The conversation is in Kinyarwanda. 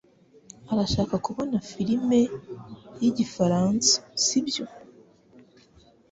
Urashaka kubona firime yigifaransa, sibyo?